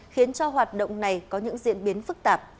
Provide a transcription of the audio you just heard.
khiến cho hoạt động này có những diễn biến phức tạp